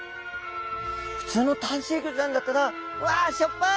普通の淡水魚ちゃんだったら「うわしょっぱい！